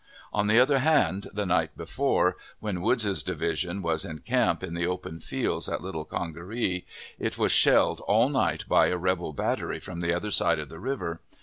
On the other hand, the night before, when Woods's division was in camp in the open fields at Little Congaree, it was shelled all night by a rebel battery from the other aide of the river.